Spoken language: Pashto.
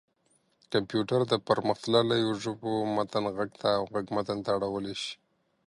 کمپيوټر د پرمختلليو ژبو متن غږ ته او غږ متن ته اړولی شي.